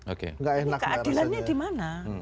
oke ini keadilannya dimana